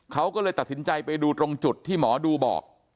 เขาก็เลยตัดสินใจไปดูตรงจุดที่หมอดูบอก